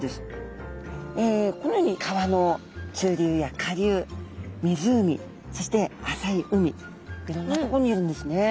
このように川の中流や下流湖そして浅い海いろんなとこにいるんですね。